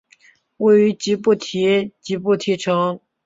位于吉布提吉布提城。